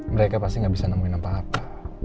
mereka pasti gak bisa nemuin apa apa